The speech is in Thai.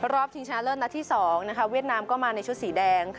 ชิงชนะเลิศนัดที่๒เวียดนามก็มาในชุดสีแดง